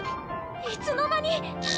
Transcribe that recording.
いつの間に！